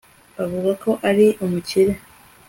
bavuga ko ari umukire